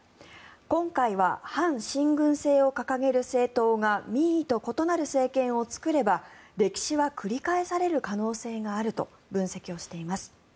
今回は反親軍政を掲げる政党が民意と異なる政権を作れば歴史は繰り返される可能性があると分析をしています。